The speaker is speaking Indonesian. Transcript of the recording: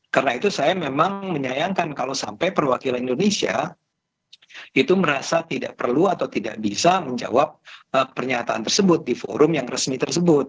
karena itu saya memang menyayangkan kalau sampai perwakilan indonesia itu merasa tidak perlu atau tidak bisa menjawab pernyataan tersebut di forum yang resmi tersebut